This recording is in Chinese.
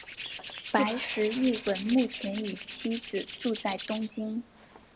白石一文目前与妻子住在东京。